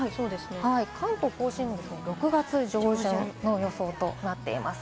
関東甲信は６月上旬の予想となっています。